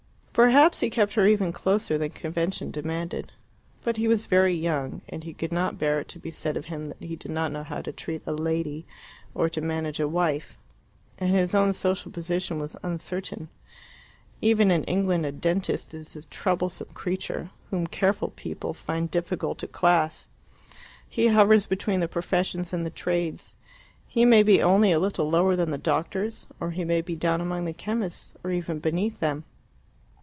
Perhaps he kept her even closer than convention demanded. But he was very young, and he could not bear it to be said of him that he did not know how to treat a lady or to manage a wife. And his own social position was uncertain. Even in England a dentist is a troublesome creature, whom careful people find difficult to class. He hovers between the professions and the trades; he may be only a little lower than the doctors, or he may be down among the chemists, or even beneath them.